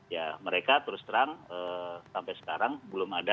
ya mereka terus terang sampai sekarang belum ada